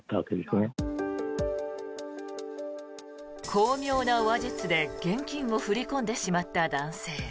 巧妙な話術で現金を振り込んでしまった男性。